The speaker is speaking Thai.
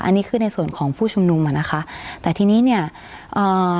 อันนี้คือในส่วนของผู้ชุมนุมอ่ะนะคะแต่ทีนี้เนี้ยอ่า